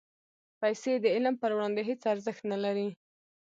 پېسې د علم پر وړاندې هېڅ ارزښت نه لري.